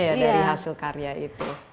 dari hasil karya itu